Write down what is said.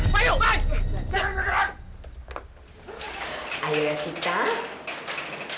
kamu pakai talan kami untuk pegang sendok